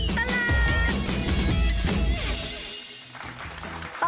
ช่วงตลอดตลาด